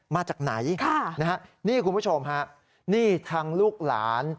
มาจากไหนนี่คุณผู้ชมฮะนี่ทางลูกหลาน